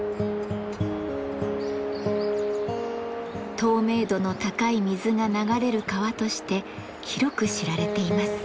透明度の高い水が流れる川として広く知られています。